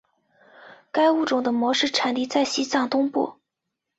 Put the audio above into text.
该物种的模式产地在西藏东部。